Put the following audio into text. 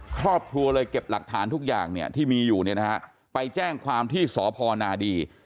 ครอบครัวเลยเก็บหลักฐานทุกอย่างที่มีอยู่ไปแจ้งความที่สพนดี